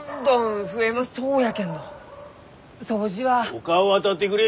ほかを当たってくれ！